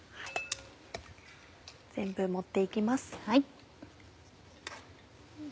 全部盛って行きます。